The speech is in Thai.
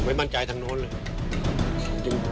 มั่นใจทางโน้นเลย